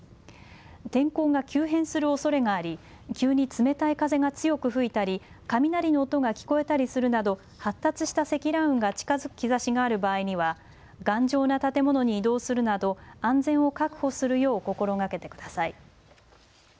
天候が急変するおそれがあり急に冷たい風が強く吹いたり雷の音が聞こえたりするなど発達した積乱雲が近づく兆しがある場合には頑丈な建物に移動するなど安全を確保するよう心がけてください。